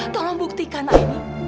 tolong buktikan aini